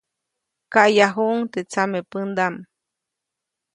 Kaʼyajuʼuŋ teʼ tsamepändaʼm.